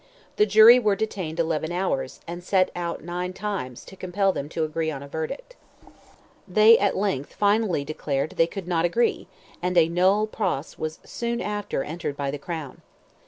The jury were detained eleven hours, and sent out nine times, to compel them to agree on a verdict. They at length finally declared they could not agree, and a nol. pros. was soon after entered by the crown.